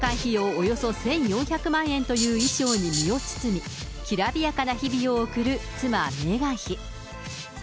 およそ１４００万円という衣装に身を包み、きらびやかな日々を送る妻、メーガン妃。